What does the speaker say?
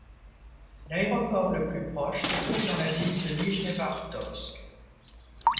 L'aéroport le plus proche se trouve dans la ville de Nijnevartovsk.